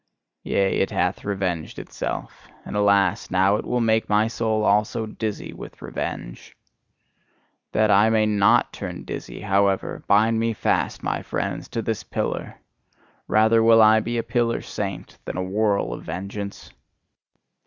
Yea, it hath revenged itself! And alas! now will it make my soul also dizzy with revenge! That I may NOT turn dizzy, however, bind me fast, my friends, to this pillar! Rather will I be a pillar saint than a whirl of vengeance!